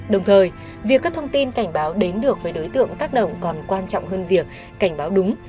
đồng thời việc các thông tin cảnh báo đến được về đối tượng tác động còn quan trọng hơn việc cảnh báo đúng